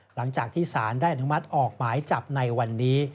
หลังจากที่สารได้อนุมัติออกหมายจับในวันนี้